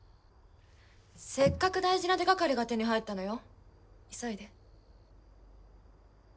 せっかく大事な手がかりが手に入ったのよ急いで